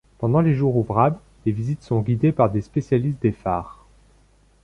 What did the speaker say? Pendant les jours ouvrables, les visites sont guidées par des spécialistes des phares.